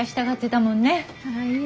はい。